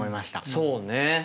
そうね。